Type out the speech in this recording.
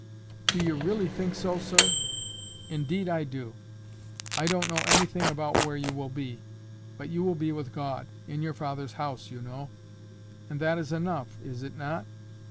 "Do you really think so, sir?" "Indeed I do. I don't know anything about where you will be. But you will be with God—in your Father's house, you know. And that is enough, is it not?"